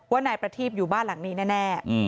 นายประทีบอยู่บ้านหลังนี้แน่